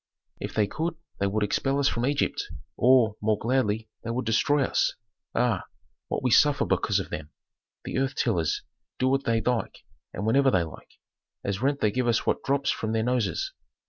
"If they could they would expel us from Egypt, or, more gladly, they would destroy us. Ah, what we suffer because of them. The earth tillers do what they like and whenever they like. As rent they give us what drops from their noses.